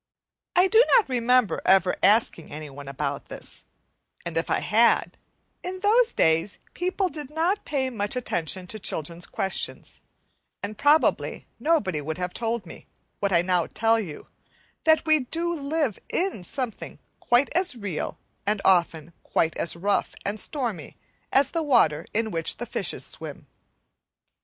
I do not remember ever asking anyone about this; and if I had, in those days people did not pay much attention to children's questions, and probably nobody would have told me, what I now tell you, that we do live in something quite as real and often quite as rough and stormy as the water in which the fishes swim.